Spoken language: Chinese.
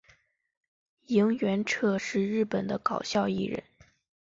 萤原彻是日本的搞笑艺人。